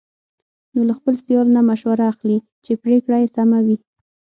نو له خپل سیال نه مشوره اخلي، چې پرېکړه یې سمه وي.